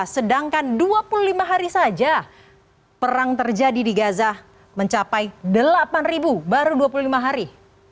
sedangkan dua puluh lima hari saja perang terjadi di gaza mencapai delapan baru dua puluh lima hari